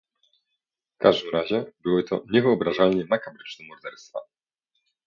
W każdym razie, były to niewyobrażalnie makabryczne morderstwa